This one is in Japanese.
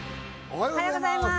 おはようございます！